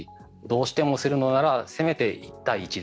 どうしてもするのならせめて１対１で。